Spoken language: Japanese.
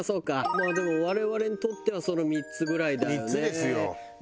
まあでも我々にとってはその３つぐらいだよね。